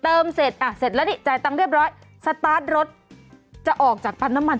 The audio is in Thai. เสร็จอ่ะเสร็จแล้วนี่จ่ายตังค์เรียบร้อยสตาร์ทรถจะออกจากปั๊มน้ำมัน